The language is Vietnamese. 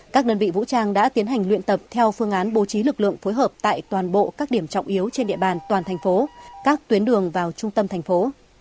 các đơn vị vũ trang đã tiến hành luyện tập theo phương án bố trí lực lượng phối hợp tại toàn bộ các điểm trọng yếu trên địa bàn toàn thành phố các tuyến đường vào trung tâm thành phố